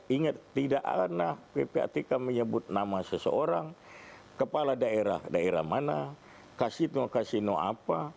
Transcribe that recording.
ingat tidak pernah ppatk menyebut nama seseorang kepala daerah daerah mana kasino kasino apa